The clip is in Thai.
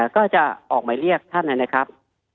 ก็จะออกหมายเรียกท่านนะครับ